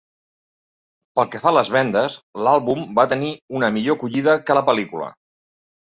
Pel que fa a les vendes, l'àlbum va tenir una millor acollida que la pel·lícula.